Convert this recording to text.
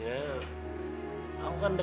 aku kan deket sama mereka